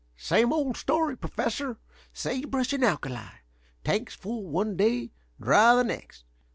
"Same old story, Professor. Sage brush and alkali. Tanks full one day, dry the next.